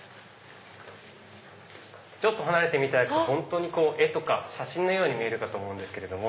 ちょっと離れて見たら絵とか写真のように見えるかと思うんですけれども。